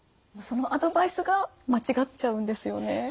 そのアドバイスが間違っちゃうんですよね。